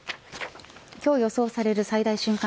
今日予想される最大瞬間